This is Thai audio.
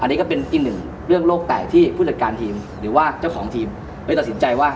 อันนี้ก็เป็นอีกหนึ่งเรื่องโลกแตกที่ผู้จัดการทีมหรือว่าเจ้าของทีมไปตัดสินใจว่า